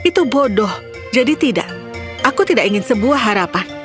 itu bodoh jadi tidak aku tidak ingin sebuah harapan